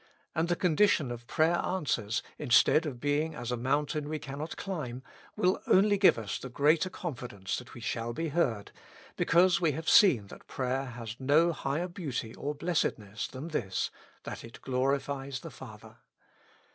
And the condition of prayer answers, instead of being as a mountain we cannot climb, will only give us the greater confidence that we shall be heard, because we have seen that praj'^er has no higher beauty or blessed ness than this, that it glorifies the Father.